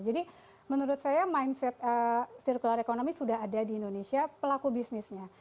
jadi menurut saya mindset circular economy sudah ada di indonesia pelaku bisnisnya